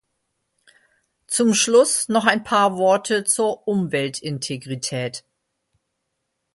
Zum Schluss noch ein paar Worte zur Umweltintegrität.